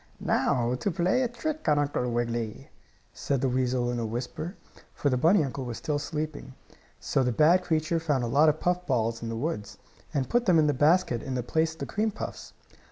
"Now to play a trick on Uncle Wiggily," said the weasel in a whisper, for the bunny uncle was still sleeping. So the bad creature found a lot of puff balls in the woods, and put them in the basket in place of the cream puffs.